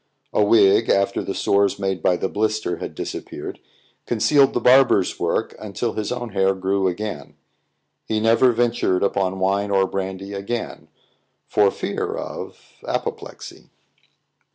A wig, after the sores made by the blister had disappeared, concealed the barber's work until his own hair grew again. He never ventured upon wine or brandy again for fear of apoplexy.